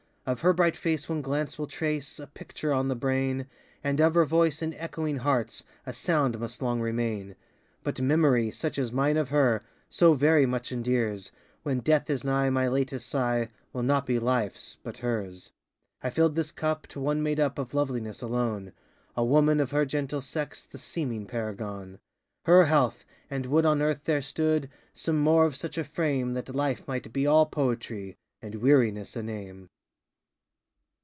Of her bright face one glance will trace A picture on the brain, And of her voice in echoing hearts A sound must long remain; But memory, such as mine of her, So very much endears, When death is nigh my latest sigh Will not be lifeŌĆÖs, but hers. I fillŌĆÖd this cup to one made up Of loveliness alone, A woman, of her gentle sex The seeming paragonŌĆö Her health! and would on earth there stood, Some more of such a frame, That life might be all poetry, And weariness a name.